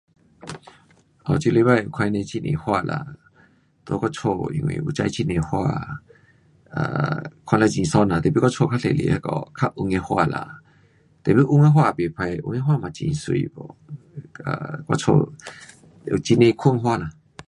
啊这礼拜看到很多花啦，在我家因为有种很多花，啊，看了很爽啦，tapi 我家较多是那个较黄的花啦，tapi 黄的花有不错，黄的花也很美 um 啊，我家有很多款花啦。